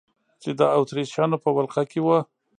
چې د اتریشیانو په ولقه کې وه.